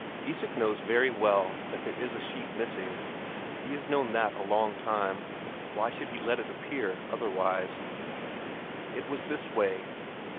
Isak knows very well that there is a sheep missing; he has known that a long time; why should he let it appear otherwise? It was this way.